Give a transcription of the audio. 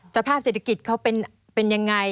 สภาพเศรษฐกิจเขาเป็นยังไง